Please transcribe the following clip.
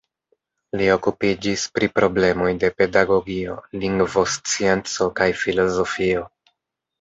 Li okupiĝis pri problemoj de pedagogio, lingvoscienco kaj filozofio.